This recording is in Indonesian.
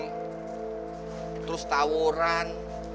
hai terus tawuran